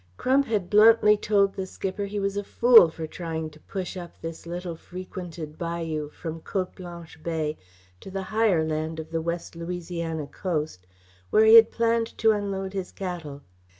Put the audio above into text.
Crump had bluntly told the skipper he was a fool for trying to push up this little frequented bayou from Cote Blanche Bay to the higher land of the west Louisiana coast, where he had planned to unload his cattle.